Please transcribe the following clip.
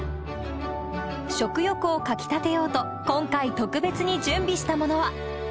食欲をかき立てようと、今回特別に準備したものは。